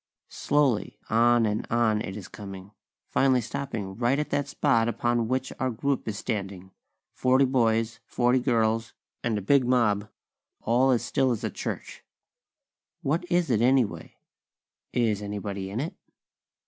Slowly, on and on it is coming; finally stopping right at that spot upon which our group is standing; forty boys, forty girls, and a big mob, all as still as a church. What is it, anyway? Is anybody in it?